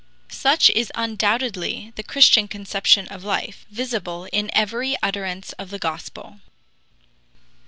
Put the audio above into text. Such is undoubtedly the Christian conception of life, visible in every utterance of the Gospel.